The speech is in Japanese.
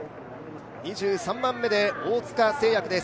２３番目の大塚製薬です。